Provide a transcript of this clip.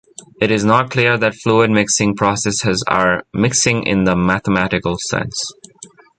It is not clear that fluid mixing processes are mixing in the mathematical sense.